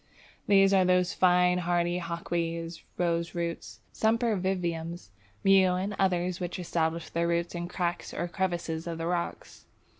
These are those fine hardy Hawkweeds, Roseroots, Sempervivums, Mew, and others which establish their roots in cracks or crevices of the rocks.